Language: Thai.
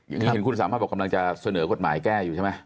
เห็นคุณสามารถบอกกำลังจะเสนอกฎหมายแก้อยู่ใช่ไหม